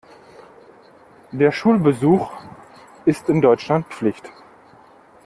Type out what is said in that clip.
Der Schulbesuch ist in Deutschland Pflicht.